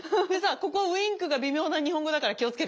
ここ「ウインク」が微妙な日本語だから気を付けて。